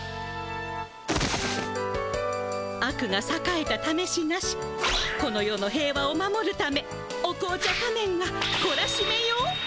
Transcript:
「悪がさかえたためしなしこの世の平和を守るためお紅茶仮面がコラシメよ！」。